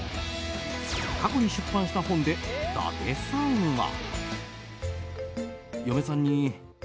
過去に出版した本で伊達さんは。